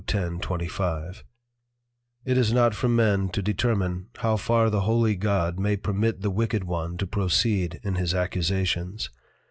10.25._ It is not for men to determine how far the Holy God may permit the wicked one to proceed in his Accusations.